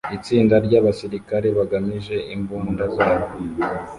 Itsinda ryabasirikare bagamije imbunda zabo